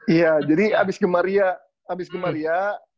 iya jadi abis gemaria habis gemaria